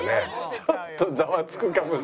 ちょっとザワつくかも。